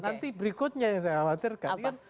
nanti berikutnya yang saya khawatirkan